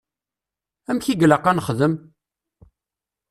Amek i ilaq ad nexdem?